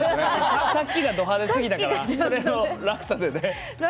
さっきがド派手すぎたから、落差でね。